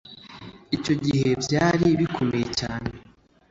Icyo gihe byari bikomeye cyane